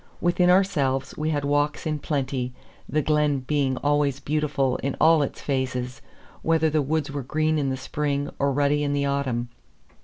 Within ourselves we had walks in plenty, the glen being always beautiful in all its phases, whether the woods were green in the spring or ruddy in the autumn.